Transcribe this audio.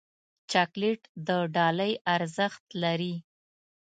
چاکلېټ د ډالۍ ارزښت لري.